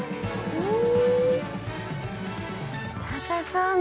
うん！